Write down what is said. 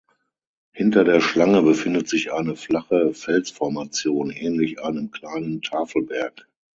Hinter der Schlange befindet sich eine flache Felsformation, ähnlich einem kleinen Tafelberg.